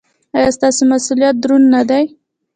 ایا ستاسو مسؤلیت دروند نه دی؟